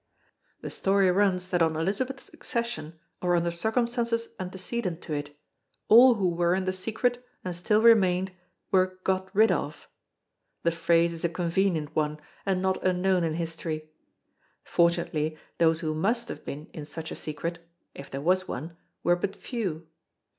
The story runs that on Elizabeth's accession or under circumstances antecedent to it all who were in the secret and still remained were "got rid of." The phrase is a convenient one and not unknown in history. Fortunately those who must have been in such a secret if there was one were but few.